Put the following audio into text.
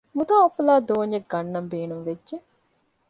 މުދާ އުފުލާ ދޯންޏެއް ގަންނަން ބޭނުންވެއްޖެ